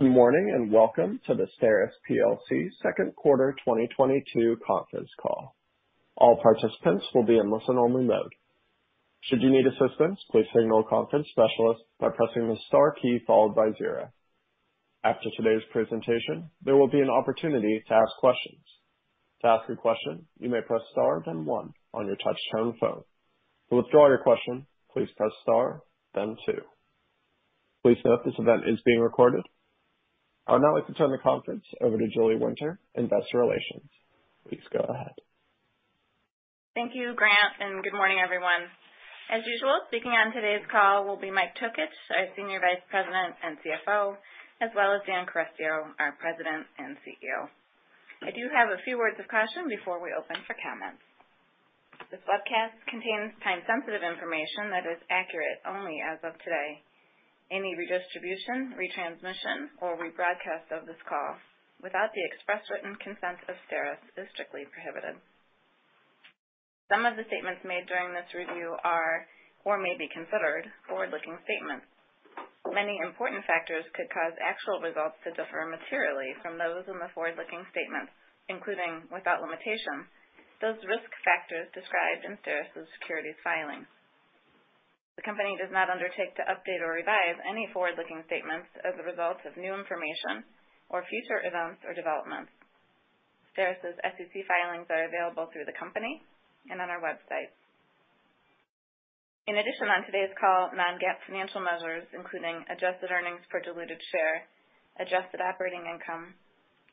Good morning, and welcome to the STERIS plc Second Quarter 2022 Conference Call. All participants will be in listen only mode. Should you need assistance, please signal a conference specialist by pressing the star key followed by zero. After today's presentation, there will be an opportunity to ask questions. To ask a question, you may press star then one on your touchtone phone. To withdraw your question, please press star then two. Please note this event is being recorded. I would now like to turn the conference over to Julie Winter, Investor Relations. Please go ahead. Thank you, Grant, and good morning, everyone. As usual, speaking on today's call will be Mike Tokich, our Senior Vice President and CFO, as well as Dan Carestio, our President and CEO. I do have a few words of caution before we open for comments. This broadcast contains time-sensitive information that is accurate only as of today. Any redistribution, retransmission, or rebroadcast of this call without the express written consent of STERIS is strictly prohibited. Some of the statements made during this review are or may be considered forward-looking statements. Many important factors could cause actual results to differ materially from those in the forward-looking statements, including, without limitation, those risk factors described in STERIS' securities filings. The company does not undertake to update or revise any forward-looking statements as a result of new information or future events or developments. STERIS' SEC filings are available through the company and on our website. In addition, on today's call, non-GAAP financial measures, including adjusted earnings per diluted share, adjusted operating income,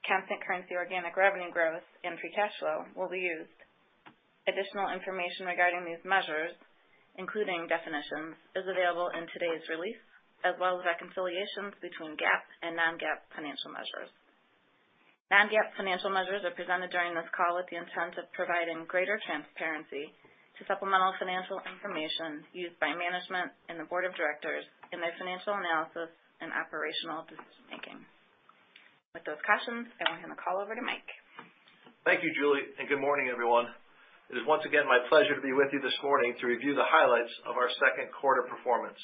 constant currency organic revenue growth, and free cash flow will be used. Additional information regarding these measures, including definitions, is available in today's release, as well as reconciliations between GAAP and non-GAAP financial measures. Non-GAAP financial measures are presented during this call with the intent of providing greater transparency to supplemental financial information used by management and the board of directors in their financial analysis and operational decision-making. With those cautions, I will hand the call over to Mike. Thank you, Julie, and good morning, everyone. It is once again my pleasure to be with you this morning to review the highlights of our second quarter performance.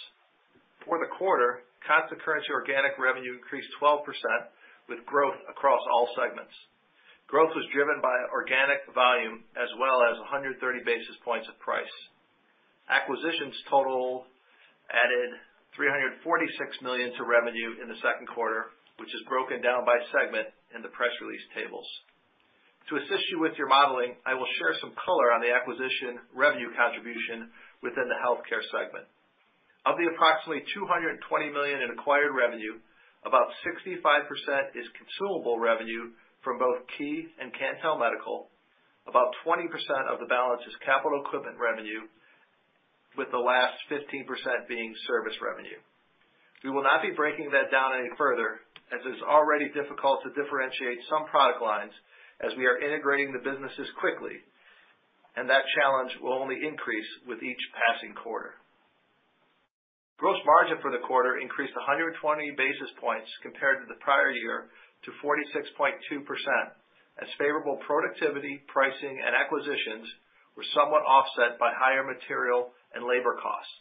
For the quarter, constant currency organic revenue increased 12% with growth across all segments. Growth was driven by organic volume as well as 130 basis points of price. Acquisitions total added $346 million to revenue in the second quarter, which is broken down by segment in the press release tables. To assist you with your modeling, I will share some color on the acquisition revenue contribution within the healthcare segment. Of the approximately $220 million in acquired revenue, about 65% is consumable revenue from both Key and Cantel Medical. About 20% of the balance is capital equipment revenue, with the last 15% being service revenue. We will not be breaking that down any further as it's already difficult to differentiate some product lines as we are integrating the businesses quickly, and that challenge will only increase with each passing quarter. Gross margin for the quarter increased 120 basis points compared to the prior year to 46.2% as favorable productivity, pricing, and acquisitions were somewhat offset by higher material and labor costs.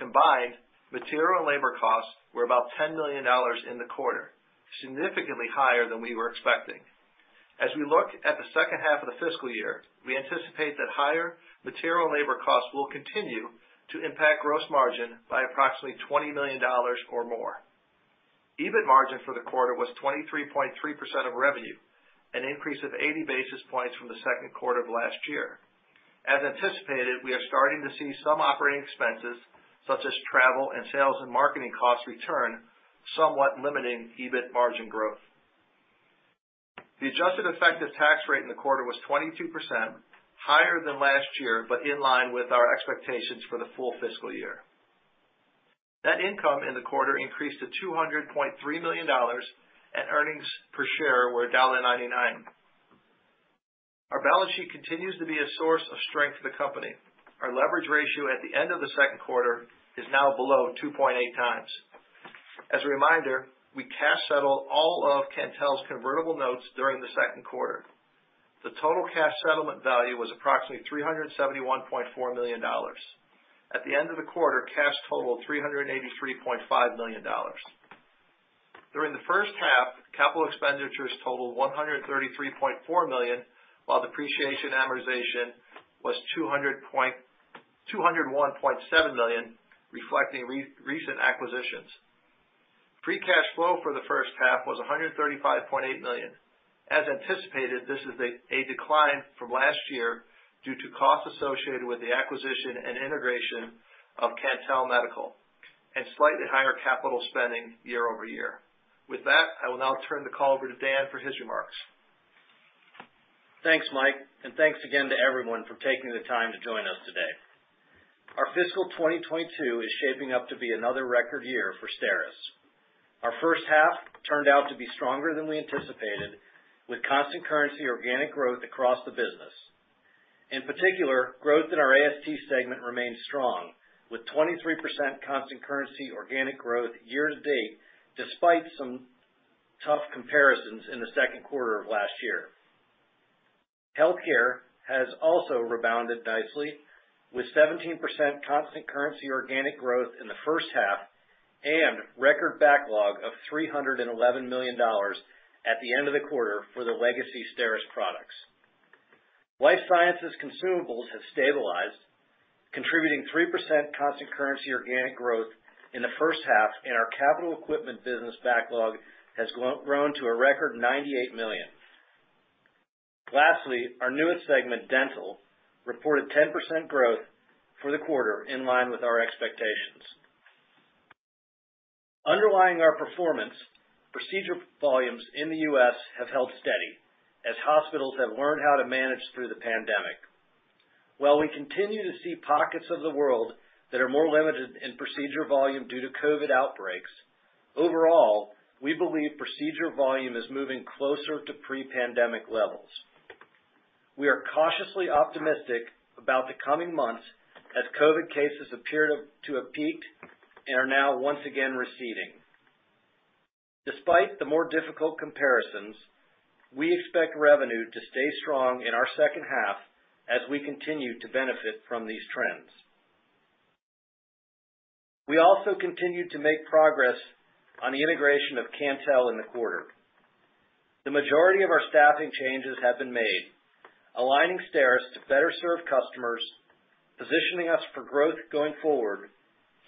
Combined, material and labor costs were about $10 million in the quarter, significantly higher than we were expecting. As we look at the second half of the fiscal year, we anticipate that higher material and labor costs will continue to impact gross margin by approximately $20 million or more. EBIT margin for the quarter was 23.3% of revenue, an increase of 80 basis points from the second quarter of last year. As anticipated, we are starting to see some operating expenses, such as travel and sales and marketing costs return, somewhat limiting EBIT margin growth. The adjusted effective tax rate in the quarter was 22%, higher than last year, but in line with our expectations for the full fiscal year. Net income in the quarter increased to $200.3 million, and earnings per share were $1.99. Our balance sheet continues to be a source of strength for the company. Our leverage ratio at the end of the second quarter is now below 2.8x. As a reminder, we cash settled all of Cantel's convertible notes during the second quarter. The total cash settlement value was approximately $371.4 million. At the end of the quarter, cash totaled $383.5 million. During the first half, capital expenditures totaled $133.4 million, while depreciation amortization was $201.7 million, reflecting recent acquisitions. Free cash flow for the first half was $135.8 million. As anticipated, this is a decline from last year due to costs associated with the acquisition and integration of Cantel Medical and slightly higher capital spending year over year. With that, I will now turn the call over to Dan for his remarks. Thanks, Mike, and thanks again to everyone for taking the time to join us today. Our fiscal 2022 is shaping up to be another record year for STERIS. Our first half turned out to be stronger than we anticipated, with constant currency organic growth across the business. In particular, growth in our AST segment remained strong, with 23% constant currency organic growth year to date, despite some tough comparisons in the second quarter of last year. Healthcare has also rebounded nicely, with 17% constant currency organic growth in the first half and record backlog of $311 million at the end of the quarter for the legacy STERIS products. Life sciences consumables has stabilized, contributing 3% constant currency organic growth in the first half, and our capital equipment business backlog has grown to a record $98 million. Lastly, our newest segment, Dental, reported 10% growth for the quarter in line with our expectations. Underlying our performance, procedure volumes in the U.S. have held steady as hospitals have learned how to manage through the pandemic. While we continue to see pockets of the world that are more limited in procedure volume due to COVID outbreaks, overall, we believe procedure volume is moving closer to pre-pandemic levels. We are cautiously optimistic about the coming months as COVID cases appear to have peaked and are now once again receding. Despite the more difficult comparisons, we expect revenue to stay strong in our second half as we continue to benefit from these trends. We also continue to make progress on the integration of Cantel in the quarter. The majority of our staffing changes have been made, aligning STERIS to better serve customers, positioning us for growth going forward,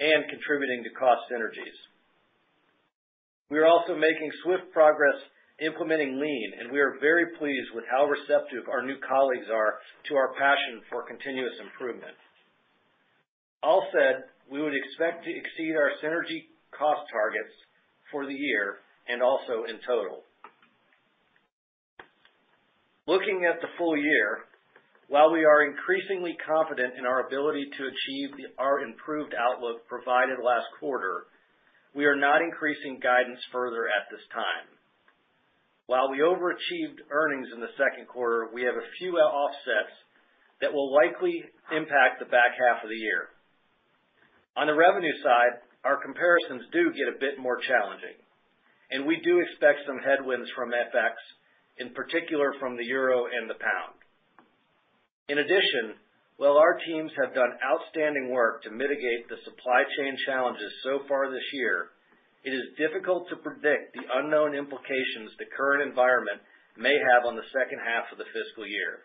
and contributing to cost synergies. We are also making swift progress implementing Lean, and we are very pleased with how receptive our new colleagues are to our passion for continuous improvement. All said, we would expect to exceed our synergy cost targets for the year and also in total. Looking at the full year, while we are increasingly confident in our ability to achieve our improved outlook provided last quarter, we are not increasing guidance further at this time. While we overachieved earnings in the second quarter, we have a few offsets that will likely impact the back half of the year. On the revenue side, our comparisons do get a bit more challenging, and we do expect some headwinds from FX, in particular from the euro and the pound. In addition, while our teams have done outstanding work to mitigate the supply chain challenges so far this year, it is difficult to predict the unknown implications the current environment may have on the second half of the fiscal year.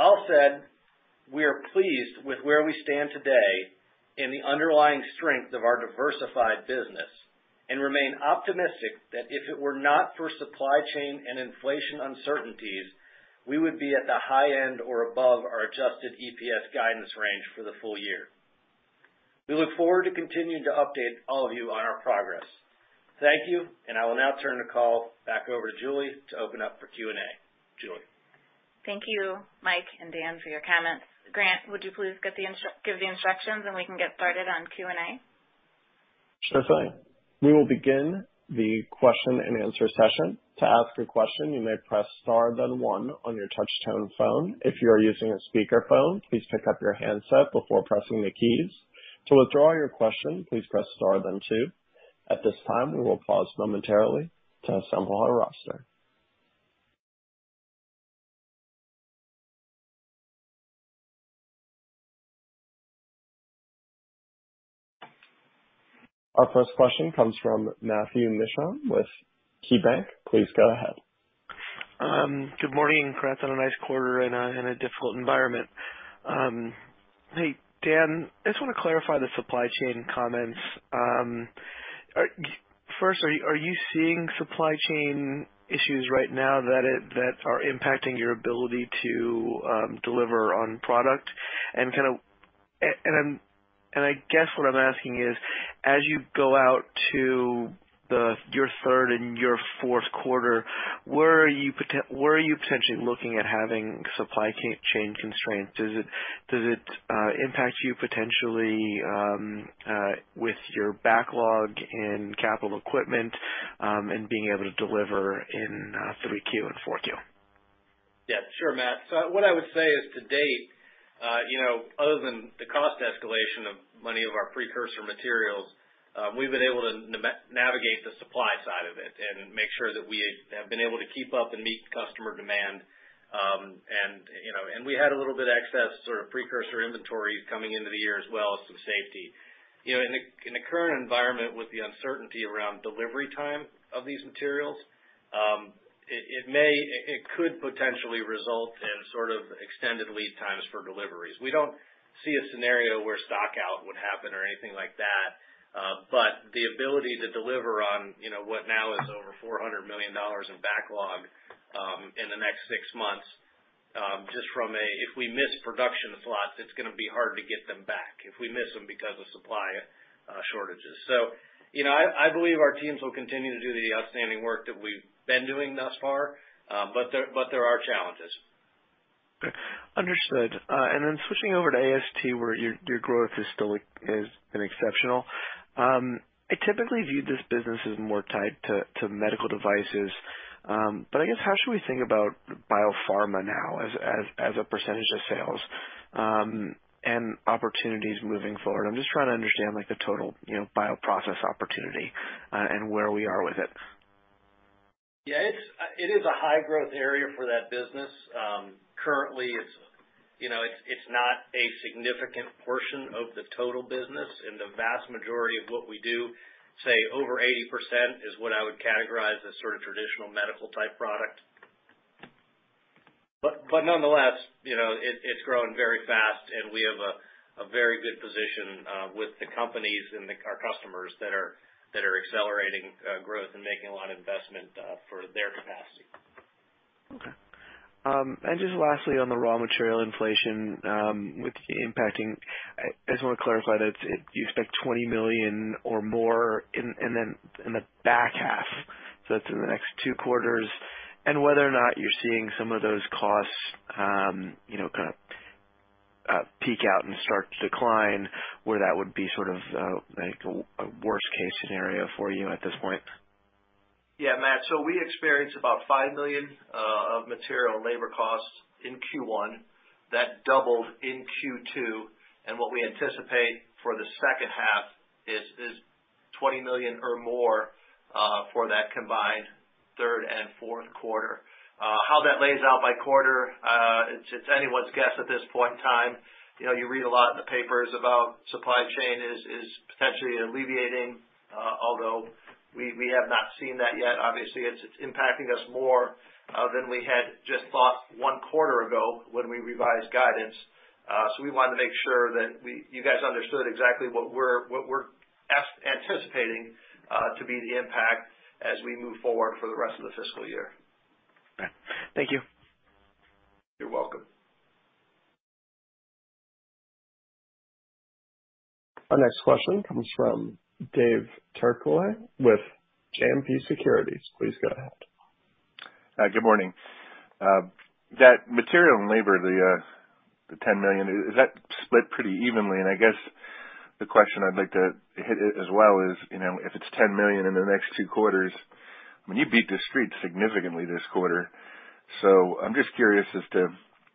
All said, we are pleased with where we stand today in the underlying strength of our diversified business and remain optimistic that if it were not for supply chain and inflation uncertainties, we would be at the high end or above our adjusted EPS guidance range for the full year. We look forward to continuing to update all of you on our progress. Thank you, and I will now turn the call back over to Julie to open up for Q&A. Julie. Thank you, Mike and Dan, for your comments. Grant, would you please give the instructions and we can get started on Q&A? Sure thing. We will begin the question-and-answer session. To ask a question, you may press star then one on your touchtone phone. If you are using a speaker phone, please pick up your handset before pressing the keys. To withdraw your question, please press star then two. At this time, we will pause momentarily to assemble our roster. Our first question comes from Matthew Mishan with KeyBanc. Please go ahead. Good morning. Congrats on a nice quarter in a difficult environment. Hey, Dan, I just wanna clarify the supply chain comments. First, are you seeing supply chain issues right now that are impacting your ability to deliver on product, and kind of, and I guess what I'm asking is, as you go out to your third and your fourth quarter, where are you potentially looking at having supply chain constraints? Does it impact you potentially with your backlog and capital equipment, and being able to deliver in 3Q and 4Q? Yeah, sure, Matt. What I would say is, to date, you know, other than the cost escalation of many of our precursor materials, we've been able to navigate the supply side of it and make sure that we have been able to keep up and meet customer demand, and, you know, we had a little bit excess sort of precursor inventory coming into the year as well, so safety. You know, in the current environment with the uncertainty around delivery time of these materials, it could potentially result in sort of extended lead times for deliveries. We don't see a scenario where stock out would happen or anything like that, but the ability to deliver on what now is over $400 million in backlog in the next six months, just from a, if we miss production slots, it's gonna be hard to get them back, if we miss them because of supply shortages. I believe our teams will continue to do the outstanding work that we've been doing thus far, but there are challenges. Understood. Switching over to AST, where your growth has still been exceptional. I typically view this business as more tied to medical devices, but I guess how should we think about biopharma now as a percentage of sales and opportunities moving forward? I'm just trying to understand like the total, you know, bioprocess opportunity and where we are with it. Yeah, it is a high growth area for that business. Currently, you know, it's not a significant portion of the total business and the vast majority of what we do, say over 80% is what I would categorize as sort of traditional medical type product. Nonetheless, you know, it's grown very fast, and we have a very good position with the companies and our customers that are accelerating growth and making a lot of investment for their capacity. Okay. Just lastly, on the raw material inflation with the impacting, I just wanna clarify that you expect $20 million or more in the back half, so it's in the next two quarters. Whether or not you're seeing some of those costs, you know, kind of peak out and start to decline, where that would be sort of like a worst case scenario for you at this point. Yeah, Matt, we experienced about $5 million of material and labor costs in Q1 that doubled in Q2. What we anticipate for the second half is $20 million or more for that combined third and fourth quarter. How that lays out by quarter, it's anyone's guess at this point in time. You know, you read a lot in the papers about supply chain is potentially alleviating, although we have not seen that yet. Obviously, it's impacting us more than we had just thought one quarter ago when we revised guidance. We wanted to make sure that you guys understood exactly what we're anticipating to be the impact as we move forward for the rest of the fiscal year. Okay. Thank you. You're welcome. Our next question comes from Dave Turkaly with JMP Securities. Please go ahead. Good morning. That material and labor, the $10 million, is that split pretty evenly? I guess the question I'd like to hit as well is, you know, if it's $10 million in the next two quarters, I mean, you beat the street significantly this quarter. I'm just curious as to,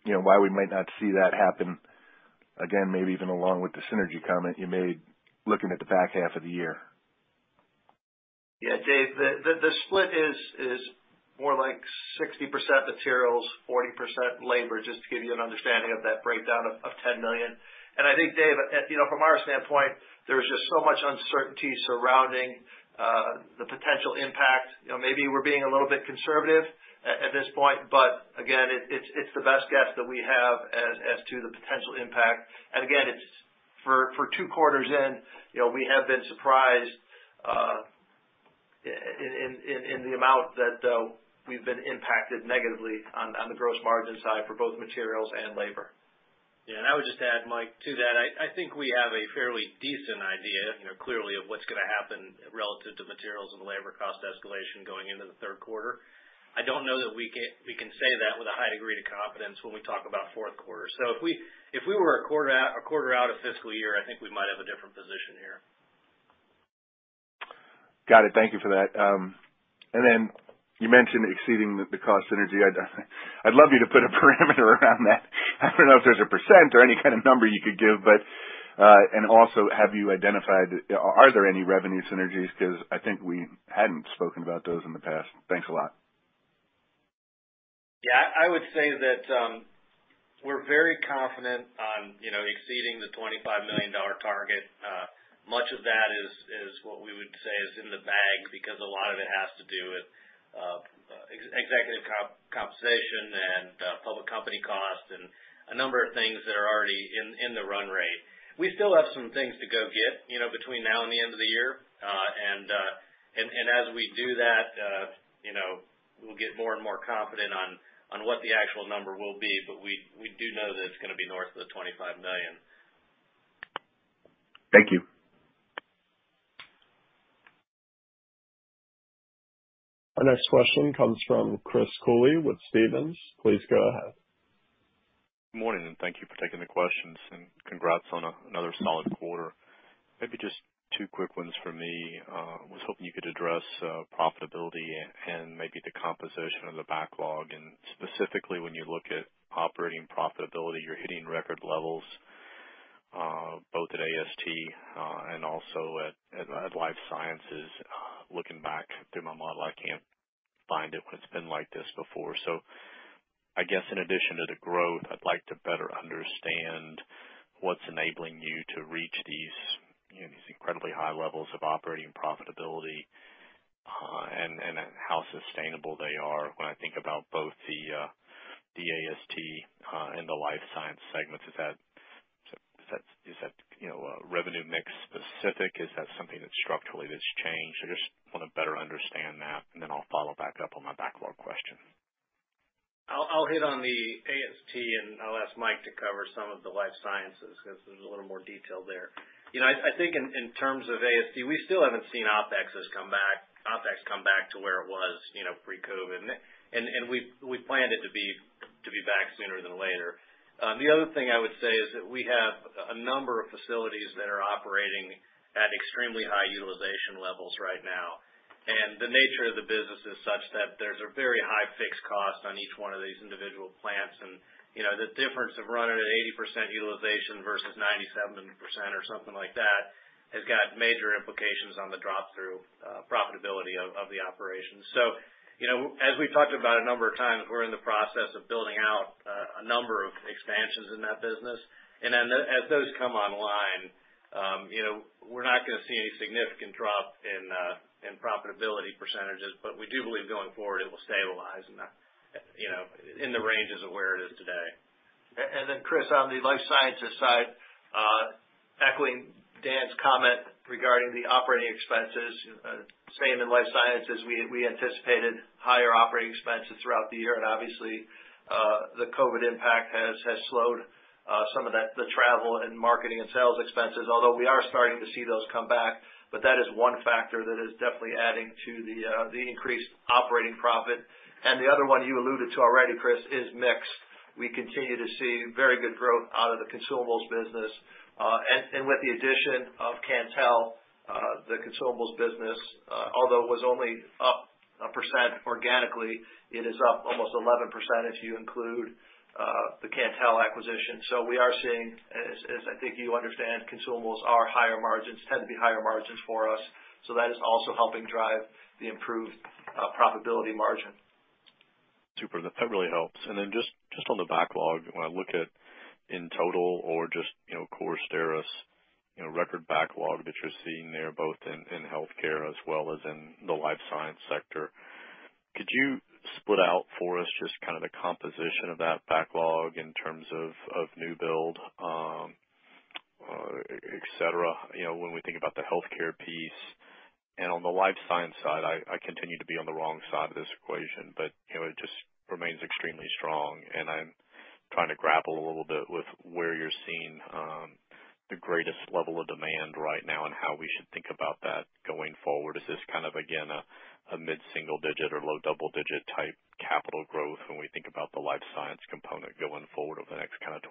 you know, why we might not see that happen again, maybe even along with the synergy comment you made looking at the back half of the year. Yeah, Dave, the split is more like 60% materials, 40% labor, just to give you an understanding of that breakdown of $10 million. I think, Dave, you know, from our standpoint, there's just so much uncertainty surrounding the potential impact. You know, maybe we're being a little bit conservative at this point, but again, it's the best guess that we have as to the potential impact. Again, it's for two quarters, you know, we have been surprised in the amount that we've been impacted negatively on the gross margin side for both materials and labor. Yeah. I would just add, Mike, to that. I think we have a fairly decent idea, you know, clearly of what's gonna happen relative to materials and labor cost escalation going into the third quarter. I don't know that we can say that with a high degree of confidence when we talk about fourth quarter. If we were a quarter out of fiscal year, I think we might have a different position here. Got it. Thank you for that. You mentioned exceeding the cost synergy. I'd love you to put a parameter around that. I don't know if there's a percent or any kind of number you could give, but also, are there any revenue synergies? Because I think we hadn't spoken about those in the past. Thanks a lot. Yeah. I would say that we're very confident on, you know, exceeding the $25 million target. Much of that is what we would say is in the bag because a lot of it has to do with ex-executive compensation and public company costs and a number of things that are already in the run rate. We still have some things to go get, you know, between now and the end of the year. As we do that, you know, we'll get more and more confident on what the actual number will be. We do know that it's gonna be north of the $25 million. Thank you. Our next question comes from Chris Cooley with Stephens. Please go ahead. Good morning, and thank you for taking the questions, and congrats on another solid quarter. Maybe just two quick ones for me. I was hoping you could address profitability and maybe the composition of the backlog. Specifically when you look at operating profitability, you're hitting record levels both at AST and also at Life Sciences. Looking back through my model, I can't find it when it's been like this before. I guess in addition to the growth, I'd like to better understand what's enabling you to reach these, you know, these incredibly high levels of operating profitability, and how sustainable they are when I think about both the AST and the Life Sciences segments. Is that, you know, revenue mix specific? Is that something that structurally that's changed? I just wanna better understand that, and then I'll follow back up on my backlog question. I'll hit on the AST, and I'll ask Mike to cover some of the Life Sciences because there's a little more detail there. You know, I think in terms of AST, we still haven't seen OpEx come back to where it was, you know, pre-COVID. We plan it to be back sooner than later. The other thing I would say is that we have a number of facilities that are operating at extremely high utilization levels right now. The nature of the business is such that there's a very high fixed cost on each one of these individual plants. You know, the difference of running at 80% utilization versus 97% or something like that has got major implications on the drop-through profitability of the operation. You know, as we've talked about a number of times, we're in the process of building out a number of expansions in that business. As those come online, you know, we're not gonna see any significant drop in profitability percentages. We do believe going forward it will stabilize in the, you know, in the ranges of where it is today. Chris, on the life sciences side, echoing Dan's comment regarding the operating expenses, same in life sciences, we anticipated higher operating expenses throughout the year. Obviously, the COVID impact has slowed some of that, the travel and marketing and sales expenses, although we are starting to see those come back. That is one factor that is definitely adding to the increased operating profit. The other one you alluded to already, Chris, is mix. We continue to see very good growth out of the consumables business. With the addition of Cantel, the consumables business, although it was only up 1% organically, it is up almost 11% if you include the Cantel acquisition. We are seeing, as I think you understand, consumables are higher margins, tend to be higher margins for us. That is also helping drive the improved profitability margin. Super. That really helps. Then just on the backlog, when I look at in total or just, you know, core STERIS, you know, record backlog that you're seeing there both in healthcare as well as in the life science sector, could you split out for us just kind of the composition of that backlog in terms of new build, et cetera, you know, when we think about the healthcare piece? On the life science side, I continue to be on the wrong side of this equation, but, you know, it just remains extremely strong and I'm trying to grapple a little bit with where you're seeing the greatest level of demand right now and how we should think about that going forward. Is this kind of again a mid-single-digit or low double-digit type capital growth when we think about the life science component going forward over the next 12-24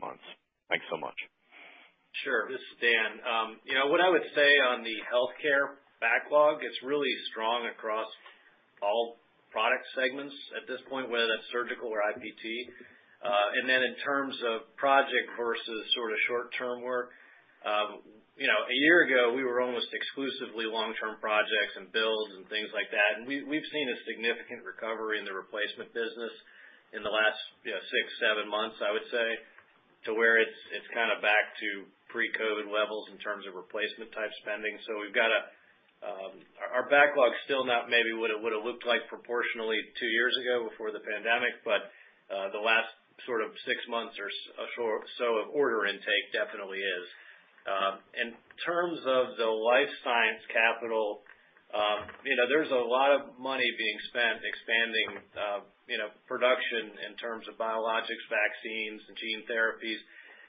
months? Thanks so much. Sure. This is Dan. You know what I would say on the healthcare backlog, it's really strong across all product segments at this point, whether that's surgical or IPT. Then in terms of project versus sort of short-term work, you know, a year ago we were almost exclusively long-term projects and builds and things like that. We've seen a significant recovery in the replacement business in the last, you know, six, seven months, I would say, to where it's kind of back to pre-COVID levels in terms of replacement type spending. Our backlog's still not maybe what it would've looked like proportionally two years ago before the pandemic, but the last sort of six months or so of order intake definitely is. In terms of the life science capital, you know, there's a lot of money being spent expanding, you know, production in terms of biologics, vaccines, and gene therapies,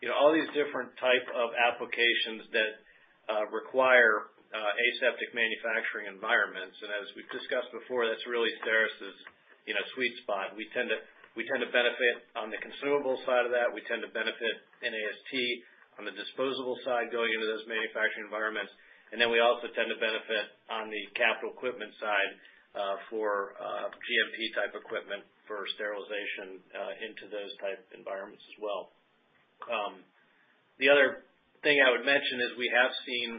you know, all these different type of applications that require aseptic manufacturing environments. As we've discussed before, that's really STERIS's, you know, sweet spot. We tend to benefit on the consumable side of that. We tend to benefit in AST on the disposable side going into those manufacturing environments. Then we also tend to benefit on the capital equipment side, for VHP type equipment for sterilization, into those type environments as well. The other thing I would mention is we have seen,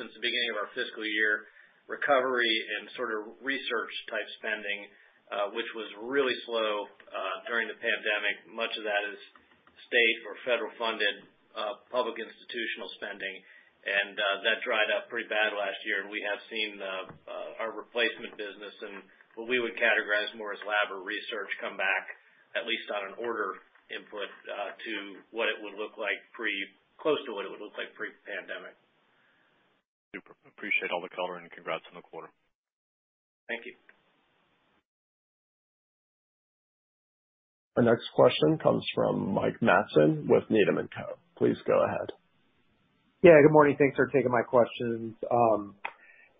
since the beginning of our fiscal year, recovery and sort of research type spending, which was really slow, during the pandemic. Much of that is state or federal funded public institutional spending. That dried up pretty bad last year. We have seen our replacement business and what we would categorize more as lab or research come back, at least on an order input, to what it would look like pre-pandemic. Super. Appreciate all the color and congrats on the quarter. Thank you. Our next question comes from Mike Matson with Needham & Co. Please go ahead. Yeah, good morning. Thanks for taking my questions.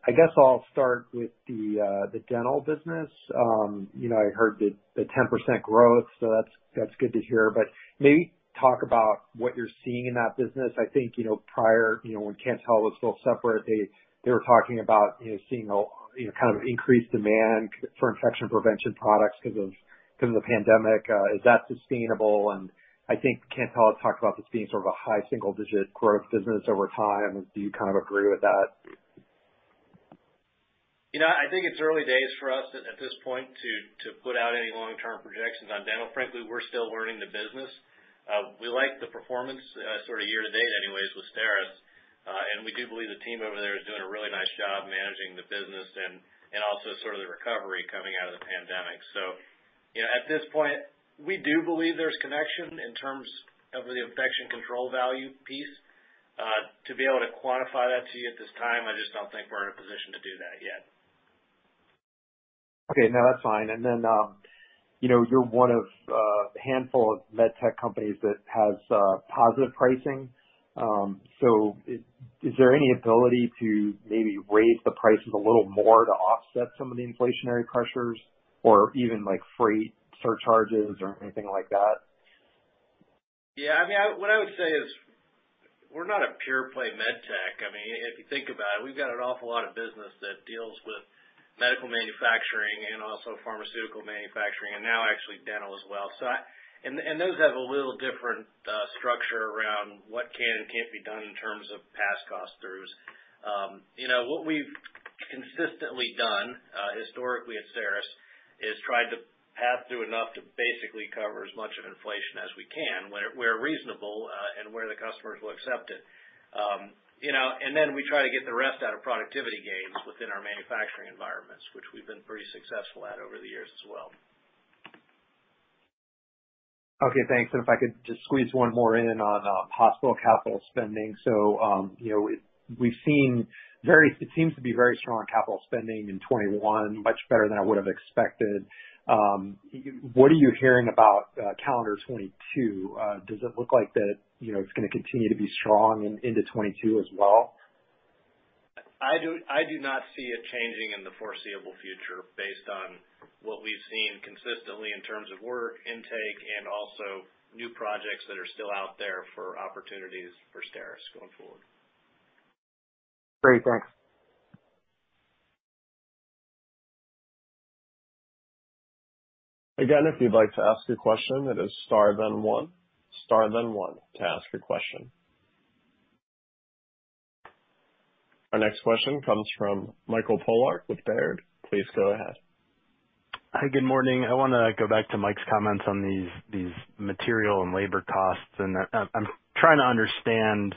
I guess I'll start with the dental business. You know, I heard the 10% growth, so that's good to hear. But maybe talk about what you're seeing in that business. I think, you know, prior, you know, when Cantel was still separate, they were talking about, you know, seeing a kind of increased demand for infection prevention products 'cause of the pandemic. Is that sustainable? I think Cantel has talked about this being sort of a high single digit growth business over time. Do you kind of agree with that? You know, I think it's early days for us at this point to put out any long-term projections on dental. Frankly, we're still learning the business. We like the performance sort of year to date anyways with STERIS. We do believe the team over there is doing a really nice job managing the business and also sort of the recovery coming out of the pandemic. You know, at this point, we do believe there's connection in terms of the infection control value piece. To be able to quantify that to you at this time, I just don't think we're in a position to do that yet. Okay. No, that's fine. You know, you're one of a handful of med tech companies that has positive pricing. Is there any ability to maybe raise the prices a little more to offset some of the inflationary pressures or even like freight surcharges or anything like that? Yeah, I mean, what I would say is we're not a pure play med tech. I mean, if you think about it, we've got an awful lot of business that deals with medical manufacturing and also pharmaceutical manufacturing and now actually dental as well. Those have a little different structure around what can and can't be done in terms of pass-through costs. You know, what we've consistently done historically at STERIS is tried to pass through enough to basically cover as much of inflation as we can where reasonable and where the customers will accept it. You know, then we try to get the rest out of productivity gains within our manufacturing environments, which we've been pretty successful at over the years as well. Okay, thanks. If I could just squeeze one more in on hospital capital spending. You know, it seems to be very strong capital spending in 2021, much better than I would have expected. What are you hearing about calendar 2022? Does it look like that, you know, it's gonna continue to be strong into 2022 as well? I do not see it changing in the foreseeable future based on what we've seen consistently in terms of work intake and also new projects that are still out there for opportunities for STERIS going forward. Great. Thanks. Again, if you like to ask a question press star then one, star then one to ask your question. Our next question comes from Michael Polark with Baird. Please go ahead. Hi, good morning. I wanna go back to Mike's comments on these material and labor costs, and I'm trying to understand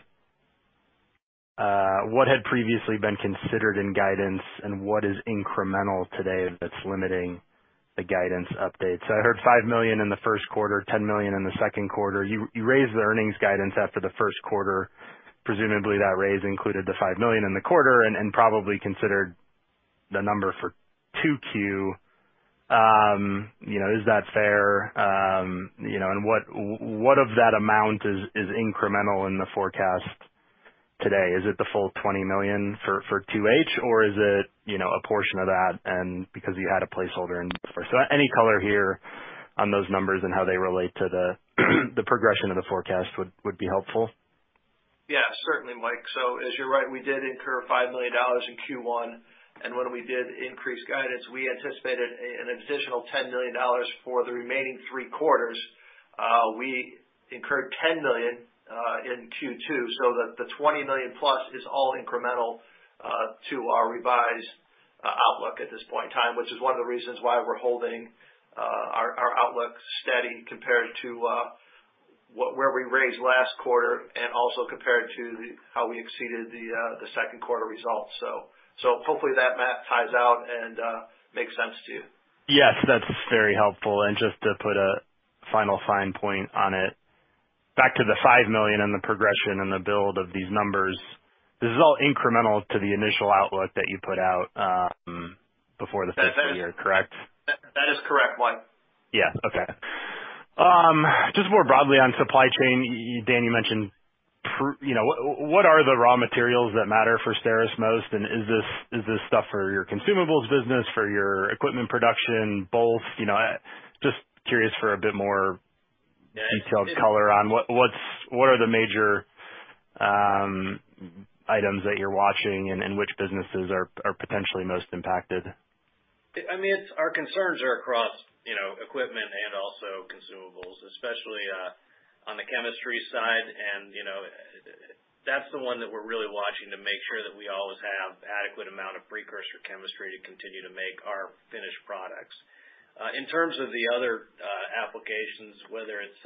what had previously been considered in guidance and what is incremental today that's limiting the guidance updates. I heard $5 million in the first quarter, $10 million in the second quarter. You raised the earnings guidance after the first quarter. Presumably, that raise included the $5 million in the quarter and probably considered the number for 2Q. You know, is that fair? You know, and what of that amount is incremental in the forecast today? Is it the full $20 million for 2H, or is it a portion of that and because you had a placeholder in before? Any color here on those numbers and how they relate to the progression of the forecast would be helpful. Yeah, certainly, Mike. So as you're right, we did incur $5 million in Q1, and when we did increase guidance, we anticipated an additional $10 million for the remaining three quarters. We incurred $10 million in Q2, so the $20 million plus is all incremental to our revised outlook at this point in time, which is one of the reasons why we're holding our outlook steady compared to where we raised last quarter and also compared to how we exceeded the second quarter results. Hopefully that ties out and makes sense to you. Yes, that's very helpful. Just to put a final fine point on it, back to the $5 million and the progression and the build of these numbers, this is all incremental to the initial outlook that you put out, before the fifth year, correct? That is correct, Mike. Yeah. Okay. Just more broadly on supply chain, Dan. You know, what are the raw materials that matter for STERIS most? And is this stuff for your consumables business, for your equipment production, both? You know, just curious for a bit more detailed color on what are the major items that you're watching and which businesses are potentially most impacted? I mean, it's our concerns are across, you know, equipment and also consumables, especially on the chemistry side. You know, that's the one that we're really watching to make sure that we always have adequate amount of precursor chemistry to continue to make our finished products. In terms of the other applications, whether it's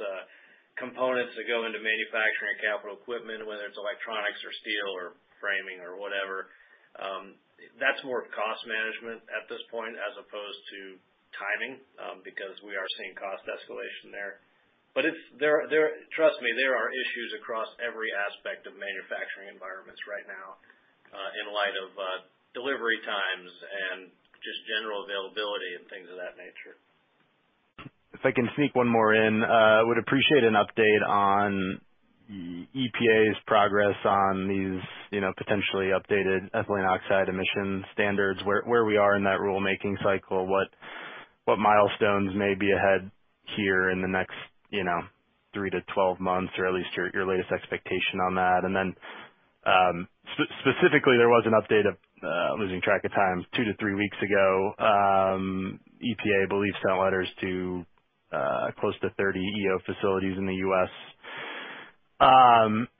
components that go into manufacturing capital equipment, whether it's electronics or steel or framing or whatever, that's more cost management at this point as opposed to timing, because we are seeing cost escalation there. Trust me, there are issues across every aspect of manufacturing environments right now, in light of delivery times and just general availability and things of that nature. If I can sneak one more in. Would appreciate an update on EPA's progress on these, you know, potentially updated ethylene oxide emission standards, where we are in that rulemaking cycle, what milestones may be ahead here in the next, you know, three to 12 months, or at least your latest expectation on that. Specifically, there was an update, losing track of time, two to three weeks ago, EPA, I believe, sent letters to, close to 30 EO facilities in the U.S.,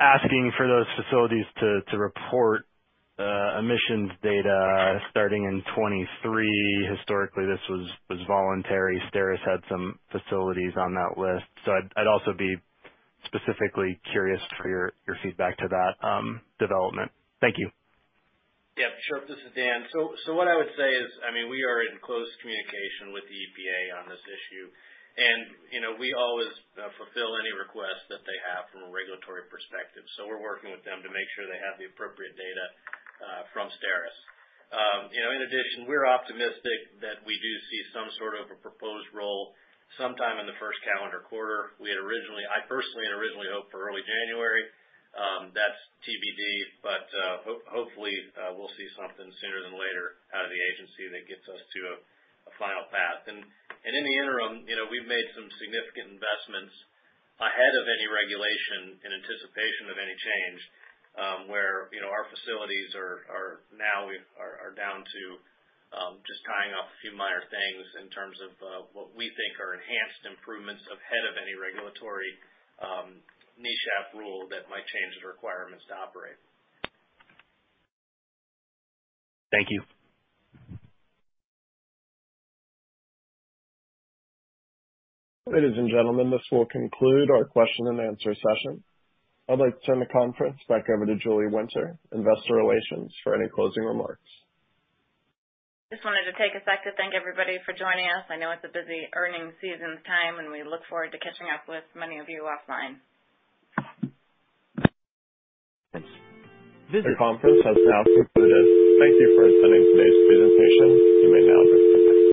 asking for those facilities to report emissions data starting in 2023. Historically, this was voluntary. STERIS had some facilities on that list. I'd also be specifically curious for your feedback to that development. Thank you. Yeah, sure. This is Dan. What I would say is, I mean, we are in close communication with the EPA on this issue, and, you know, we always fulfill any requests that they have from a regulatory perspective. We're working with them to make sure they have the appropriate data from STERIS. You know, in addition, we're optimistic that we do see some sort of a proposed rule sometime in the first calendar quarter. I personally had originally hoped for early January. That's TBD, but hopefully we'll see something sooner than later out of the agency that gets us to a final path. In the interim, you know, we've made some significant investments ahead of any regulation in anticipation of any change, where, you know, our facilities are now down to just tying up a few minor things in terms of what we think are enhanced improvements ahead of any regulatory NESHAP rule that might change the requirements to operate. Thank you. Ladies and gentlemen, this will conclude our question and answer session. I'd like to turn the conference back over to Julie Winter, investor relations, for any closing remarks. Just wanted to take a sec to thank everybody for joining us. I know it's a busy earnings season time, and we look forward to catching up with many of you offline. This conference has now concluded. Thank you for attending today's presentation. You may now disconnect.